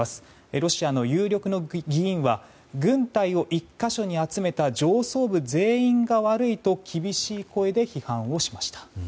ロシアの有力議員は軍隊を１か所に集めた上層部全員が悪いと厳しい声で批判をしました。